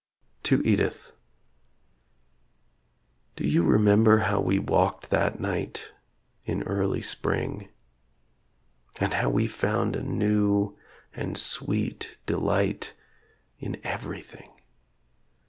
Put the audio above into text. TO EDITH Do you remember how we walked that night In early spring? And how we found a new and sweet delight In everything?